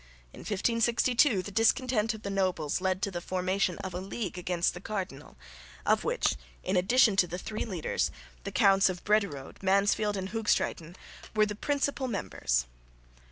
In 1562 the discontent of the nobles led to the formation of a league against the cardinal, of which, in addition to the three leaders, the Counts of Brederode, Mansfeld and Hoogstraeten were the principal members.